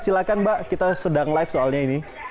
silahkan mbak kita sedang live soalnya ini